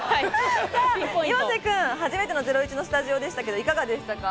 岩瀬くん、初めての『ゼロイチ』のスタジオいかがでしたか？